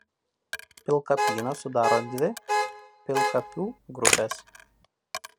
Pilkapyną sudaro dvi pilkapių grupės.